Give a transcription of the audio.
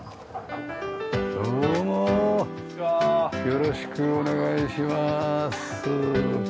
よろしくお願いします。